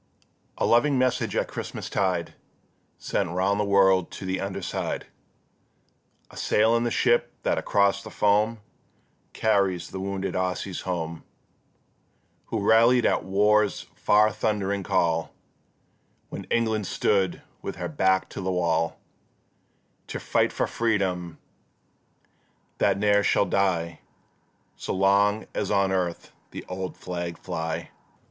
A loving message at Christmastide, Sent round the world to the underside A sail in the ship that across the foam Carries the wounded Aussies home, Who rallied at War's far thundering call, When England stood with her back to the wall, To fight for Freedom, that ne'er shall die So long as on earth the old flag fly.